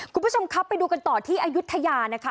คุณผู้ชมครับไปดูกันต่อที่อายุทยานะคะ